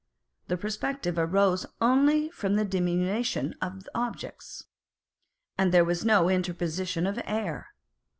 The perspective arose only from the diminution of objects, and there was no interposition of air.